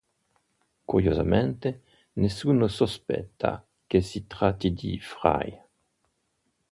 Curiosamente, nessuno sospetta che si tratti di Frye.